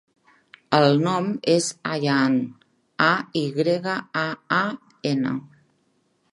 El nom és Ayaan: a, i grega, a, a, ena.